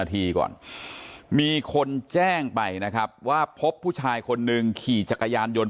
แล้วไปกันมีคนแจ้งไปนะว่าพรบผู้ชายคนนึงขี่จักรยานยนต์